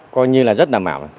coi như là rất đảm bảo